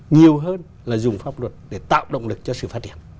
nhiều hơn là dùng pháp luật để tạo động lực cho sự phát triển